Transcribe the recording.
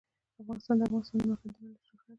افغانستان د د افغانستان د موقعیت له امله شهرت لري.